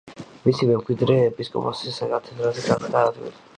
მისი მემკვიდრე ეპისკოპოსის კათედრაზე გახდა ავილი.